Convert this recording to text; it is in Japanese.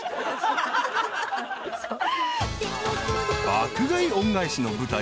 ［爆買い恩返しの舞台